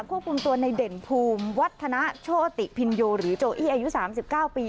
ควบคุมตัวในเด่นภูมิวัฒนาโชติพินโยหรือโจอี้อายุ๓๙ปี